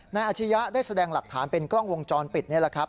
อาชียะได้แสดงหลักฐานเป็นกล้องวงจรปิดนี่แหละครับ